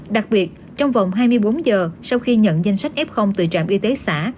đặc biệt trong vòng hai mươi bốn giờ sau khi nhận danh sách f từ trạm y tế xã